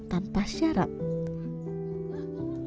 demikian pula cinta ayah yang tidak berhubungan